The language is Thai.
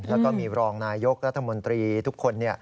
แล้วก็มีรองนายกรัฐมนตรีทุกคน